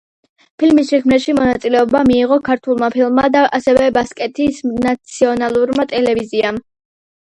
ფილმის შექმნაში მონაწილეობა მიიღო ქართულმა ფილმმა და ასევე ბასკეთის ნაციონალურმა ტელევიზიამ.